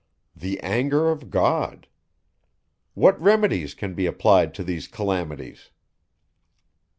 The anger of God. What remedies can be applied to these calamities?